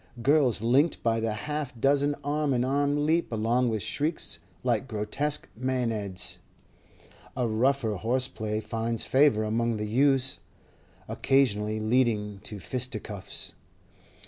Girls linked by the half dozen arm in arm leap along with shrieks like grotesque maenads; a rougher horseplay finds favour among the youths, occasionally leading to fisticuffs.